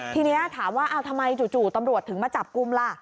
ทีนี้ถามว่าทำไมจู่ตำรวจถึงมาจับกลุ่มล่ะ